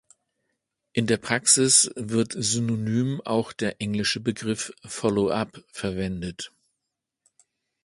In der Praxis wird synonym auch der englische Begriff „Follow-Up“ verwendet.